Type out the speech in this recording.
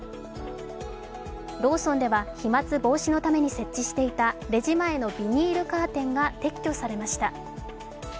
ローソンでは飛まつ防止のために設置していたレジ前のビニールカーテンが撤去されました。